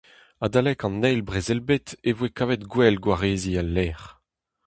Adalek an Eil Brezel-bed e voe kavet gwell gwareziñ al lec'h.